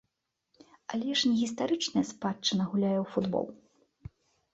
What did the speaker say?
Але ж не гістарычная спадчына гуляе ў футбол.